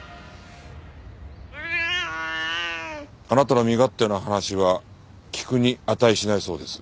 あなたの身勝手な話は聞くに値しないそうです。